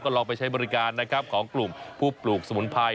ลองไปใช้บริการนะครับของกลุ่มผู้ปลูกสมุนไพร